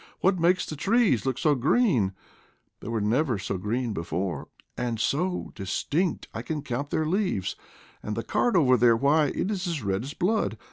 "What makes the trees look so green — they were never so green before ! And so distinct — I can count their leaves! And the cart over there — why, it is red as blood